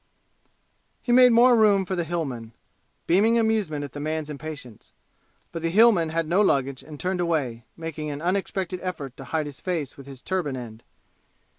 He made more room for the Hillman, beaming amusement at the man's impatience; but the Hillman had no luggage and turned away, making an unexpected effort to hide his face with a turban end.